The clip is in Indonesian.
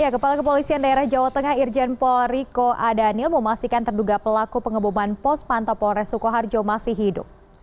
kepala kepolisian daerah jawa tengah irjen pol riko adanil memastikan terduga pelaku pengeboman pos pantau polres sukoharjo masih hidup